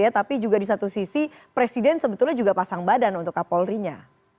tapi juga di satu sisi presiden sebetulnya juga pasang badan untuk kapolri nya